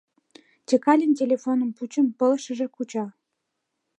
Чекалин телефон пучым пылышешыже куча.